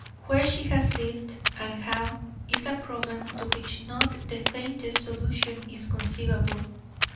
Where she has lived and how is a problem to which not the faintest solution is conceivable.